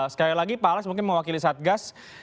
sekali lagi pak alex mungkin mewakili satgas